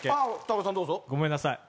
田中さんどうぞ。ごめんなさい。